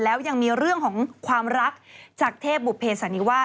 แล้วยังมีเรื่องของความรักจากเทพบุเภสันนิวาส